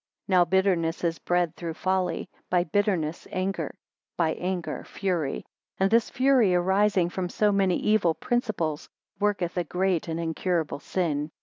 Now bitterness is bred through folly; by bitterness, anger; by anger, fury; and this fury arising from so many evil principles, worketh a great and incurable sin.